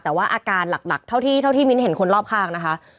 แต่ว่าอาการหลักเท่าที่มิ้นเห็นคนรอบข้างนะคะ